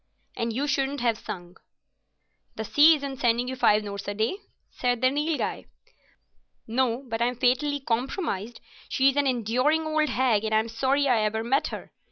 "And you shouldn't have sung." "The sea isn't sending you five notes a day," said the Nilghai. "No, but I'm fatally compromised. She's an enduring old hag, and I'm sorry I ever met her.